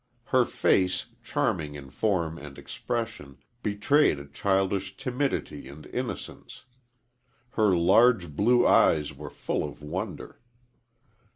Her face, charming in form and expression, betrayed a childish timidity and innocence. Her large, blue eyes were full of wonder.